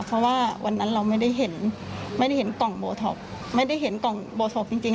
เพราะว่าวันนั้นเราไม่ได้เห็นกล่องโบท็อปไม่ได้เห็นกล่องโบท็อปจริง